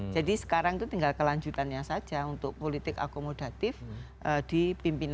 sekarang itu tinggal kelanjutannya saja untuk politik akomodatif di pimpinan